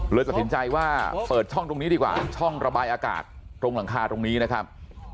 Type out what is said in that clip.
เลยตัดสินใจว่าเปิดช่องตรงนี้ดีกว่าช่องระบายอากาศตรงหลังคาตรงนี้นะครับ